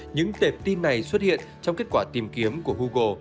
những tệp tin này xuất hiện trong kết quả tìm kiếm của google